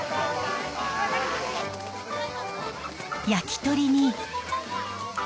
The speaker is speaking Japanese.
焼き鳥に。